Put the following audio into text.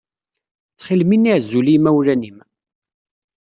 Ttxil-m ini azul i yimawlan-im.